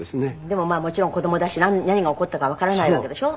でもまあもちろん子供だし何が起こったかわからないわけでしょ？